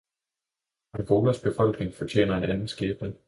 Angolas befolkning fortjener en anden skæbne.